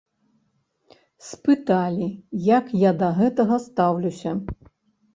Спыталі, як я да гэтага стаўлюся.